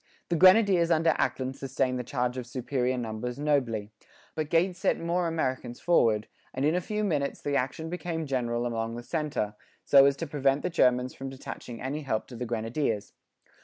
The grenadiers under Ackland sustained the charge of superior numbers nobly. But Gates sent more Americans forward, and in a few minutes the action became general along the centre, so as to prevent the Germans from detaching any help to the grenadiers.